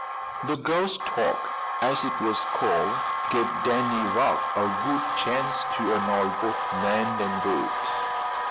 The "ghost talk," as it was called, gave Danny Rugg a good chance to annoy both Nan and Bert.